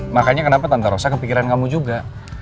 makanya kenapa tentor rosa kepikiran kamu juga